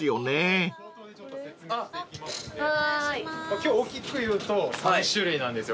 今日大きくいうと３種類なんですよ